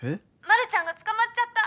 丸ちゃんが捕まっちゃった。